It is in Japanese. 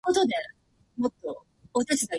バイトが忙しい。